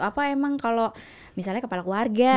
apa emang kalau misalnya kepala keluarga